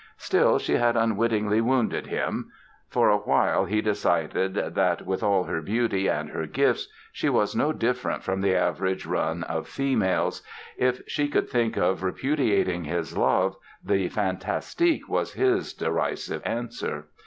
Still, she had unwittingly wounded him! For a while he decided that, with all her beauty and her gifts, she was no different from the average run of females. If she could think of repudiating his love the "Fantastique" was his derisive answer!